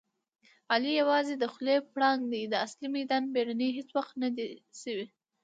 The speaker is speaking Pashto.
علي یووازې د خولې پړانګ دی. د اصلي میدان مېړنی هېڅ وخت ندی شوی.